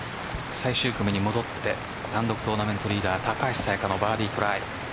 最終組に戻って単独トーナメントリーダー高橋彩華のバーディートライ。